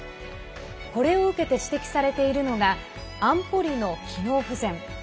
これを受けて指摘されているのが安保理の機能不全。